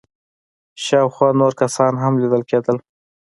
شاوخوا نور کسان هم ليدل کېدل.